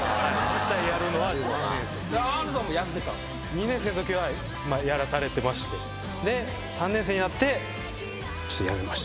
２年生のときはやらされてましてで３年生になってやめました。